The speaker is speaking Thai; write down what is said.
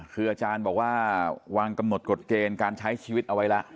คืออาจารย์บอกว่าวางกำหนดกฎเกณฑ์การใช้ชีวิตเอาไว้แล้ว